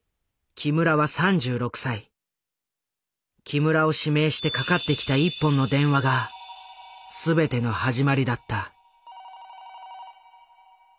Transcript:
木村を指名してかかってきた１本の電話が全ての始まりだった。